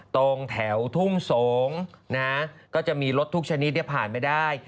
ตรงแถวทุ่งสงฯก็จะมีรถทุกชนิดผ่านไม่ได้